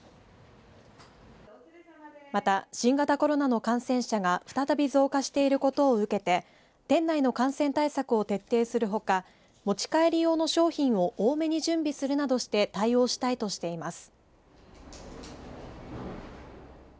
また、新型コロナの感染者が再び増加していることを受けて県内の感染対策を徹底するほか持ち帰り用の商品を多めに準備するなどして対応したいとしています。